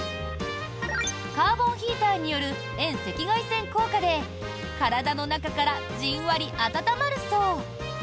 カーボンヒーターによる遠赤外線効果で体の中からじんわり温まるそう。